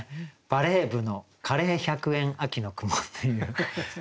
「バレー部のカレー百円秋の雲」という。